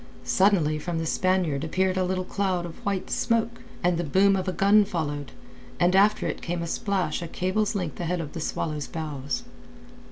Suddenly from the Spaniard appeared a little cloud of white smoke, and the boom of a gun followed, and after it came a splash a cable's length ahead of the Swallow's bows.